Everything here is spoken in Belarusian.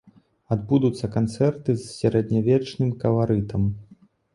Адбудуцца канцэрты з сярэднявечным каларытам.